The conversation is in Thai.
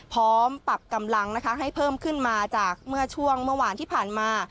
พร้อมปรับกำลังนะคะให้เพิ่มขึ้นมาจากเมื่อช่วงเมื่อวานที่ผ่านมา